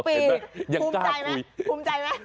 ๒ปีคุ้มใจไหมคุ้มใจไหม